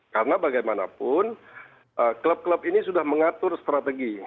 karena bagaimanapun klub klub ini sudah mengatur strategi